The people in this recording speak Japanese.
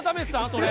それ。